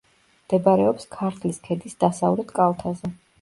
მდებარეობს ქართლის ქედის დასავლეთ კალთაზე.